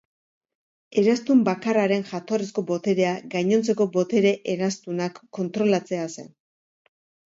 Eraztun Bakarraren jatorrizko boterea gainontzeko Botere Eraztunak kontrolatzea zen.